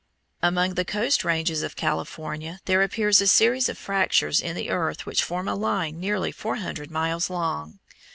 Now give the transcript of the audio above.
Among the Coast Ranges of California there appears a series of fractures in the earth which form a line nearly four hundred miles long.